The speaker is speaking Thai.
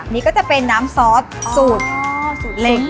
นี่ก็จะเป็นน้ำซอสสูตรเหล็ก